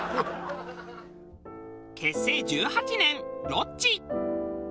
結成１８年ロッチ。